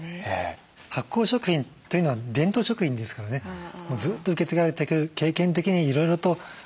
発酵食品というのは伝統食品ですからねもうずっと受け継がれていく経験的にいろいろと洗練されてきてる。